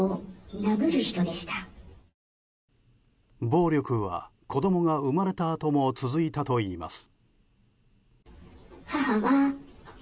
暴力は子供が生まれたあとも続いたといいます。